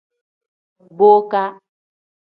Boka.